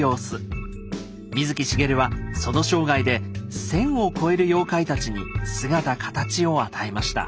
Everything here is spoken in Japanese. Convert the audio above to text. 水木しげるはその生涯で１，０００を超える妖怪たちに姿形を与えました。